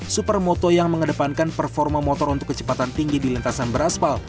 supermoto yang mengedepankan performa motor untuk kecepatan tinggi di lintasan beraspal